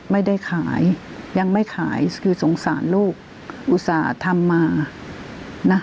ไม่ได้ขายยังไม่ขายคือสงสารลูกอุตส่าห์ทำมานะ